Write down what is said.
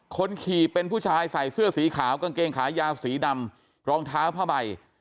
คนขี่เป็นผู้ชายใส่เสื้อสีขาวกางเกงขายาวสีดำรองเท้าผ้าใบ